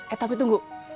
eh tapi tunggu